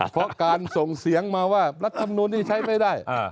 เพราะการส่งเสียงมาว่ารัฐมนุนนี้ใช้ไม่ได้